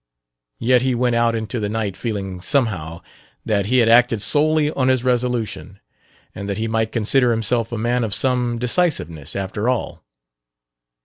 Yet he went out into the night feeling, somehow, that he had acted solely on his resolution and that he might consider himself a man of some decisiveness, after all.